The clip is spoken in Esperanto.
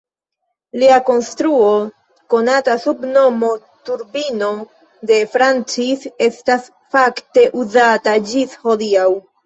Lia konstruo konata sub nomo Turbino de Francis estas fakte uzata ĝis hodiaŭ.